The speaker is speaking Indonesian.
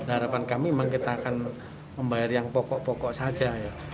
harapan kami memang kita akan membayar yang pokok pokok saja ya